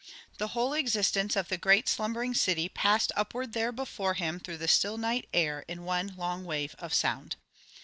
The whole existence of the great slumbering city passed upward there before him through the still night air in one long wave of sound.